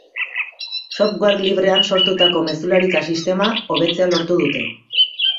Software librean sortutako mezularitza sistema, hobetzea lortu dute.